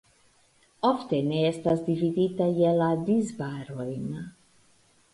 Ofte ne estas dividita je la disbarojn.